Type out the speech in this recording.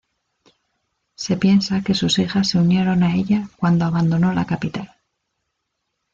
Se piensa que sus hijas se unieron a ella cuando abandonó la capital.